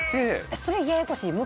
それはややこしい。